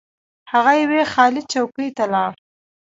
هغه یوې خالي چوکۍ ته لاړ.